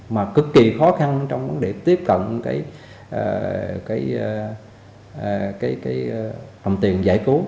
mà cực kỳ khó khăn trong cái điểm tiếp cận cái hầm tiền giải cứu